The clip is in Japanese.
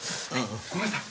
ごめんなさい。